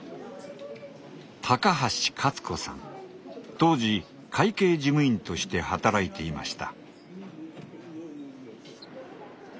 当時会計事務員として働いていました。